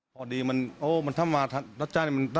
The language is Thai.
พอดีมันโอ้มันทำมามันรับผิดชอบหมดอืมดีครับ